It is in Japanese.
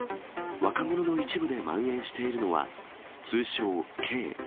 若者の一部でまん延しているのは、通称Ｋ。